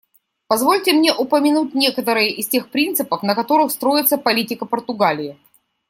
Позвольте мне упомянуть некоторые из тех принципов, на которых строится политика Португалии.